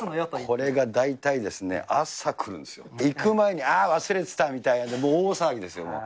これが大体ですね、朝来るんですよ、行く前にああ、忘れてたみたいな、もう大騒ぎですよ、もう。